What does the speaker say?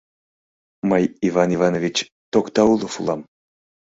— Мый Иван Иванович Токтаулов улам.